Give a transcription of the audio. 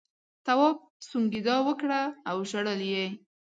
تواب سونگېدا وکړه او ژړل یې.